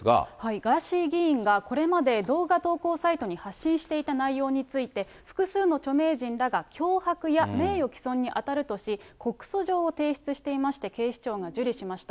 ガーシー議員がこれまで動画投稿サイトに発信していた内容について、複数の著名人らが脅迫や名誉毀損に当たるとし、告訴状を提出していまして、警視庁が受理しました。